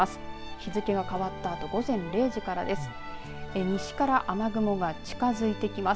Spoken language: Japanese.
日付が変わったあと午前０時からです。